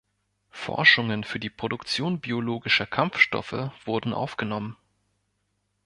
Forschungen für die Produktion biologischer Kampfstoffe wurden aufgenommen.